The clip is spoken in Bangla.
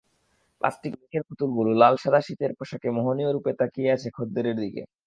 প্লাস্টিকের পুতুলগুলো লাল-সাদা শীতের পোশাকে মোহনীয় রূপে তাকিয়ে আছে খদ্দেরের দিকে।